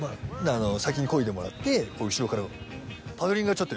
先にこいでもらってこう後ろから。